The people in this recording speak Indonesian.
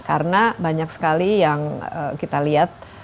karena banyak sekali yang kita lihat